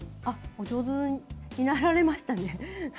お上手になられましたね。